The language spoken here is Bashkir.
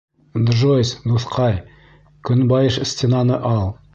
Джойс, дуҫҡай, көнбайыш стенаны ал.